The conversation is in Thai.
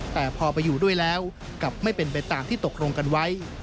แต่พอไปอยู่ด้วยแล้วกลับไม่เป็นไปตามที่ตกลงกันไว้